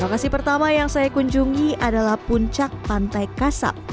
lokasi pertama yang saya kunjungi adalah puncak pantai kasab